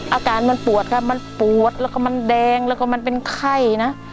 อาการมันปวดค่ะมันปวดแล้วก็มันแดงแล้วก็มันเป็นไข้นะ